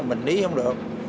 mình đi không được